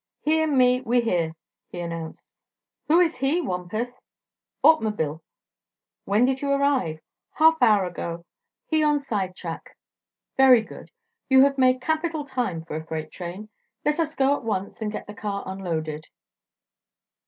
"He an' me, we here," he announced. "Who is 'he,' Wampus?" "Aut'mob'l'." "When did you arrive?" "Half hour ago. He on side track." "Very good. You have made capital time, for a freight train. Let us go at once and get the car unloaded."